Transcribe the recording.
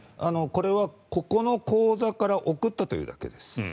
これはここの口座から送ったというだけです。